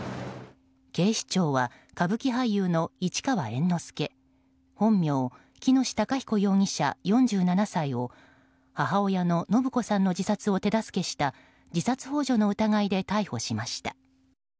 警視庁は、歌舞伎俳優の市川猿之助本名、喜熨斗孝彦容疑者４７歳を母親の延子さんの自殺を手助けした自殺幇助の疑いで逮捕しました。